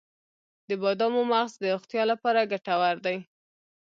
د بادامو مغز د روغتیا لپاره ګټور دی.